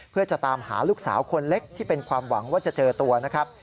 เพื่อจะตามหาลูกสาวคนเล็กที่เป็นความหวังว่าจะเจอตัวนะครับ